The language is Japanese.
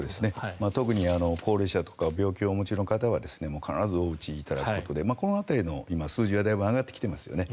特に高齢者とか病気をお持ちの方は必ずお打ちいただくことでこの数字がだいぶ上がってきていますよね。